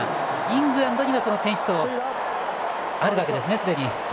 イングランドには選手層があるわけですね、すでに。